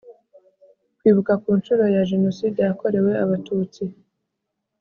Kwibuka ku Nshuro ya Jenoside Yakorewe Abatutsi